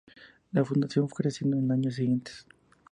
La Fundación fue creciendo en años siguientes.